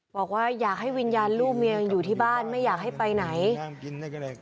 บอกว่าอยากให้วิญญาณลูกเมียยังอยู่ที่บ้านไม่อยากให้ไปไหน